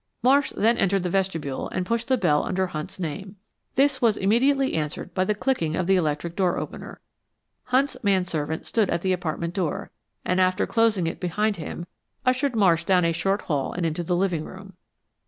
Marsh then entered the vestibule and pushed the bell under Hunt's name. This was immediately answered by the clicking of the electric door opener. Hunt's man servant stood at the apartment door, and after closing it behind him, ushered Marsh down a short hall and into the living room.